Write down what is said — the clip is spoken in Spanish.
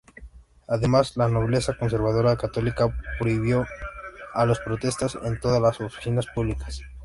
Además, la nobleza conservadora católica prohibió a los protestantes en todas las oficinas públicas.